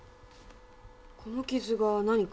この傷が何か？